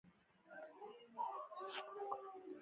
ځمکوالو کولای شول چې نوي بنسټونه رامنځته کړي وای.